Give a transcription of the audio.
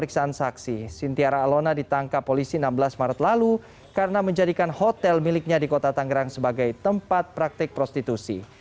pemeriksaan saksi sintiara alona ditangkap polisi enam belas maret lalu karena menjadikan hotel miliknya di kota tangerang sebagai tempat praktik prostitusi